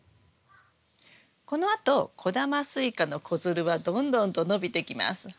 このあと小玉スイカの子づるはどんどんと伸びてきます。